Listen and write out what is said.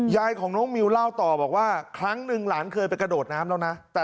ยายของน้องมิวเล่าต่อบอกว่าครั้งหนึ่งหลานเคยไปกระโดดน้ำแล้วนะ